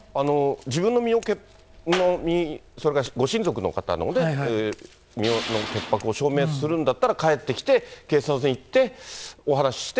自分の身、それからご親族の方のね、身の潔白を証明するんだったら、帰ってきて、警察に行って、お話しして。